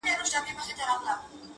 له پیشو یې ورته جوړه ښه نجلۍ کړه-